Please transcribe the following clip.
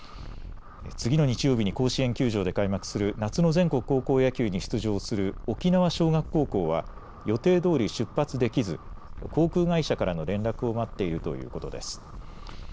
次の日曜日に甲子園球場で開幕する夏の全国高校野球に出場する沖縄尚学高校は予定どおり出発できず航空会社からの連絡を待っているということです。